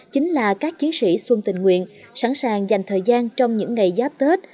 chính là các chiến sĩ xuân tình nguyện sẵn sàng dành thời gian trong những ngày giáp tết